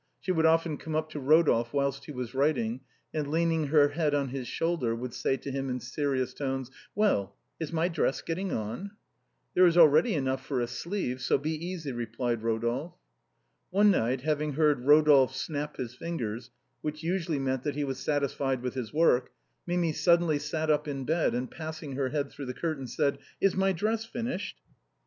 She would often come up to Ro dolphe whilst he was writing, and leaning her head on his shoulder would say to him in serious tones —" Well, is my dress getting on ?"" There is already enough for a sleeve, so be easy," re plied Eodolphe. One night having heard Rodolphe snap his fingers, which usually meant that he was satisfied with his work, Mimi suddenly sat up in bed and passing her head through the curtains said :" Is my dress finished